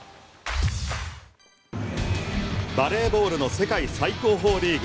バレーボールの世界最高峰リーグ